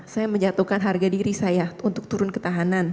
saya menjatuhkan harga diri saya untuk turun ke tahanan